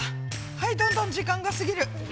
はいどんどん時間が過ぎる。